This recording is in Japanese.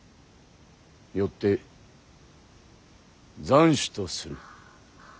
よって斬首とする。